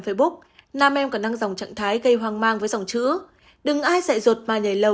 facebook nam em có năng dòng trạng thái gây hoang mang với dòng chữ đừng ai dạy rột mà nhảy lầu